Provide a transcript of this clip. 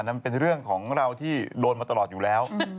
มันเป็นเรื่องของเราที่โดนมาตลอดอยู่แล้ว